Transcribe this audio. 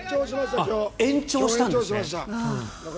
延長したんですね。